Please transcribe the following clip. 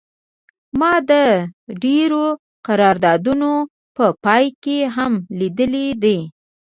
ما دا د ډیرو قراردادونو په پای کې هم لیدلی دی